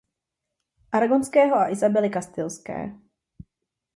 Aragonského a Isabely Kastilské.